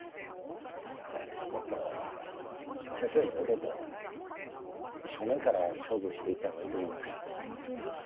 あのもっと正々堂々と正面から勝負していったほうがいいと思いますよ。